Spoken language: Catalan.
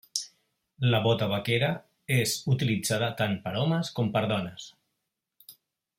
La bota vaquera és utilitzada tant per homes com per dones.